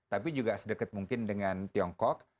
tapi juga sedekat mungkin dengan tiongkok